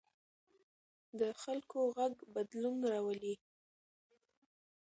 د خلکو غږ بدلون راولي